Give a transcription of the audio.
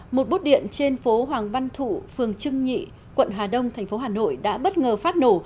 một bốt điện trên phố hoàng văn thụ phường trưng nhị quận hà đông thành phố hà nội đã bất ngờ phát nổ